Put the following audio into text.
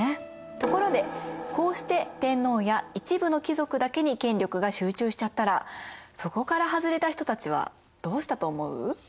ところでこうして天皇や一部の貴族だけに権力が集中しちゃったらそこから外れた人たちはどうしたと思う？